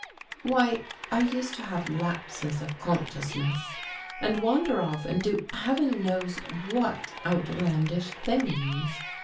" Why, I used to have lapses of consciousness and wander off and do heaven knows what outlandish things.